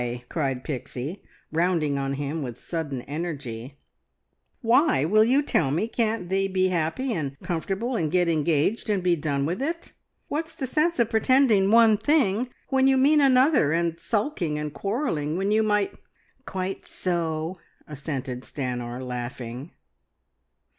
cried Pixie, rounding on him with sudden energy, "why, will you tell me, can't they be happy and comfortable and get engaged and be done with it? What's the sense of pretending one thing when you mean another, and sulking and quarrelling when you might " "Quite so," assented Stanor, laughing.